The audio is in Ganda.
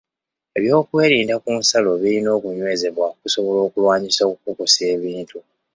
Obyokwerinda ku nsalo birina okunywezebwa okusobola okulwanyisa okukukusa ebintu.